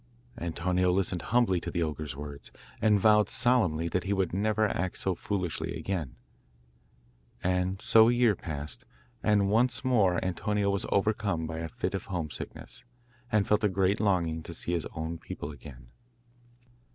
Antonio listened humbly to the ogre's words, and vowed solemnly that he would never act so foolishly again. And so a year passed, and once more Antonio was overcome by a fit of home sickness, and felt a great longing to see his own people again.